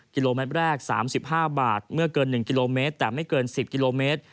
กิโลเมตรแรก๓๕บาทเมื่อเกิน๑กิโลเมตรแต่ไม่เกิน๑๐กิโลเมตร